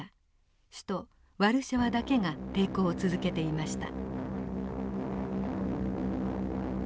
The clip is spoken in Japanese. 首都ワルシャワだけが抵抗を続けていました。